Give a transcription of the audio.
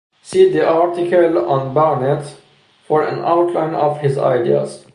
See the article on Barnett for an outline of his ideas.